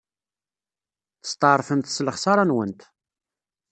Testeɛṛfemt s lexṣara-nwent.